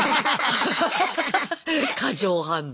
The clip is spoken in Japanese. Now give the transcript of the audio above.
過剰反応。